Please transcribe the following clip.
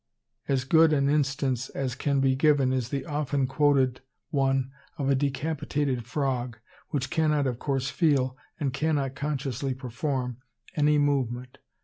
As good an instance as can be given is the often quoted one of a decapitated frog, which cannot of course feel, and cannot consciously perform, any movement.